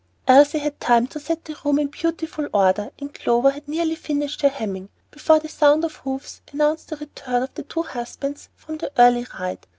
Elsie had time to set the room in beautiful order, and Clover had nearly finished her hemming, before the sound of hoofs announced the return of the two husbands from their early ride.